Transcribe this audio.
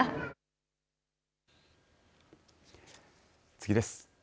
次です。